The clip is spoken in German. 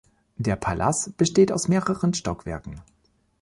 Der Palas besteht aus mehreren Stockwerken.